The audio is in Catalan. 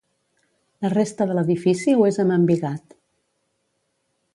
La resta de l'edifici ho és amb embigat.